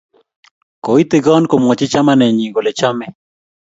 koitigon komwochi chamanenyi kole chamei